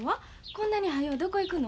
こんなにはようどこ行くの？